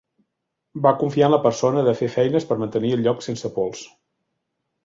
Va confiar en la persona de fer feines per mantenir el lloc sense pols.